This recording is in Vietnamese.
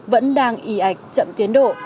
vẫn đang ý ảnh chậm tiến độ